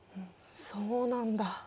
そうなんだ。